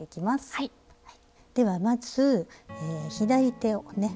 ではまず左手をね